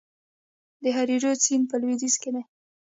د هریرود سیند په لویدیځ کې دی